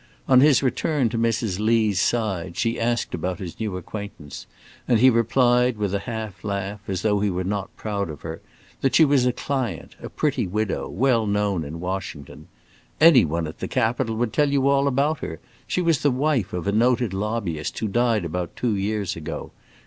On his return to Mrs. Lee's side, she asked about his new acquaintance, and he replied with a half laugh, as though he were not proud of her, that she was a client, a pretty widow, well known in Washington. "Any one at the Capitol would tell you all about her. She was the wife of a noted lobbyist, who died about two years ago.